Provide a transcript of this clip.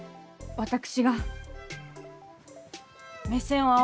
私が目線を合わせます。